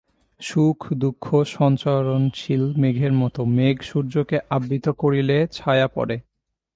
সুখ-দুঃখ সঞ্চরণশীল মেঘের মত, মেঘ সূর্যকে আবৃত করিলে ছায়া পড়ে।